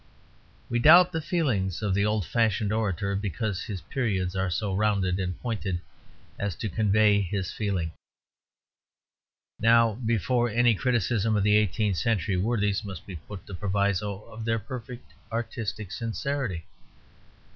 We doubt the feeling of the old fashioned orator, because his periods are so rounded and pointed as to convey his feeling. Now before any criticism of the eighteenth century worthies must be put the proviso of their perfect artistic sincerity.